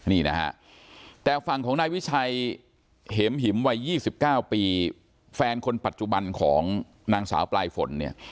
นี่นะฮะแต่ฝั่งของนายวิชัยเห็มหิมวัย๒๙ปีแฟนคนปัจจุบันของนางสาวปลายฝนเนี่ย